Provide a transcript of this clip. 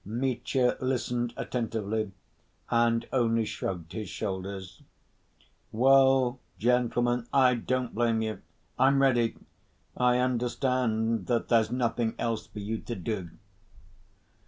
Mitya listened attentively, and only shrugged his shoulders. "Well, gentlemen, I don't blame you. I'm ready.... I understand that there's nothing else for you to do."